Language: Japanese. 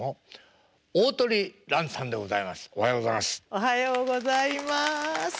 おはようございます。